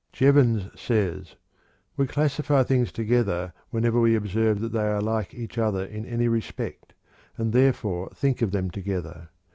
Jevons says: "We classify things together whenever we observe that they are like each other in any respect, and therefore think of them together.